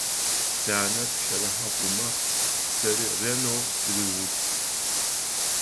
Сянэ пщэрыхьэ хъумэ, сэри ренэу сыригъус.